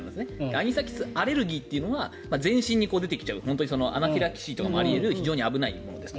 アニサキスアレルギーというのは全身に出てきちゃうアナフィラキシーとかもあり得る危ないものです。